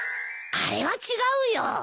あれは違うよ。